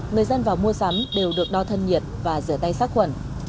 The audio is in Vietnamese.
người dân vào mua sắm đều được đo thân nhiệt và rửa tay sát khuẩn